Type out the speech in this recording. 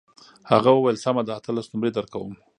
هغه وویل سمه ده اتلس نمرې درکوم.